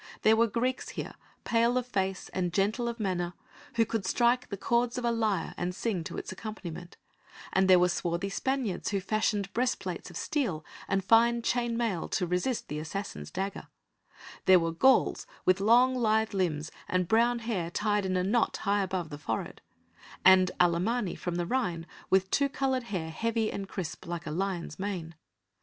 There were Greeks here, pale of face and gentle of manner who could strike the chords of a lyre and sing to its accompaniment, and there were swarthy Spaniards who fashioned breast plates of steel and fine chain mail to resist the assassin's dagger: there were Gauls with long lithe limbs and brown hair tied in a knot high above the forehead, and Allemanni from the Rhine with two coloured hair heavy and crisp like a lion's mane.